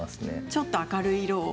ちょっと明るい色を。